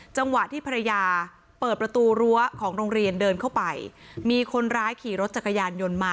จังหวะที่ภรรยาเปิดประตูรั้วของโรงเรียนเดินเข้าไปมีคนร้ายขี่รถจักรยานยนต์มา